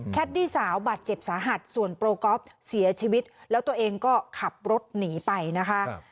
ดี้สาวบาดเจ็บสาหัสส่วนโปรกอล์ฟเสียชีวิตแล้วตัวเองก็ขับรถหนีไปนะคะ